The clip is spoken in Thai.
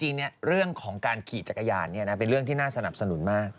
จริงเรื่องของการขี่จักรยานเป็นเรื่องที่น่าสนับสนุนมาก